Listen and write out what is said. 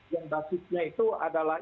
yang basisnya itu adalah